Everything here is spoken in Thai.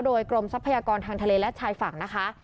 โดยกรมทรัพยากรทางทะเลและชายฝั่งนะคะ